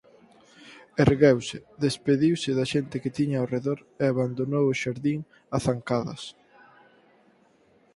Ergueuse, despediuse da xente que tiña ao redor e abandonou o xardín a zancadas.